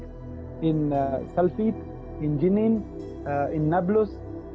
di salfit di jenin di nablus